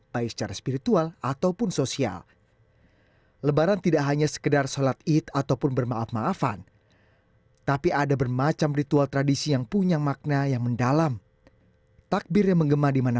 pemerintah kota padang sendiri berpendapat semua penduduk di sana harus menghormati orang yang tengah berpuasa